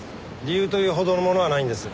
理由というほどのものはないんです。